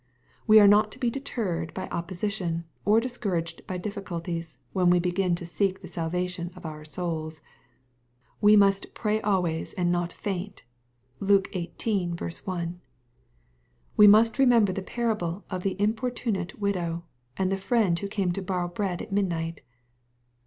We are not to be deterred by opposition, or discouraged by difficulties, when we begin to seek the salvation of our souls. We must " pray always and not faint." (Luke xviii. 1.) We must remember the parable of the importunate widow, and of the friend who came to borrow bread at midnight.